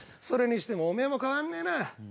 それにしてもオメエも変わんねえな。